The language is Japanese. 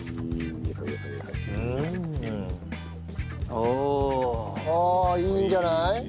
おお。ああいいんじゃない？